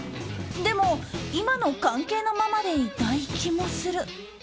でも今の関係のままでいたい気もする。